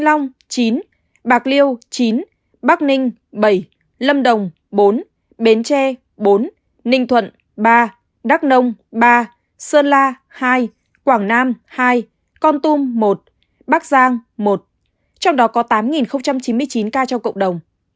nghệ an một mươi hai thanh hóa một mươi một cà mau một mươi bình định chín vĩnh long chín bạc liêu chín bắc ninh bảy lâm đồng bốn bến tre bốn ninh thuận ba đắk nông ba sơn la hai quảng nam hai con tum một bắc giang một trong đó có tám chín mươi chín ca trong cộng đồng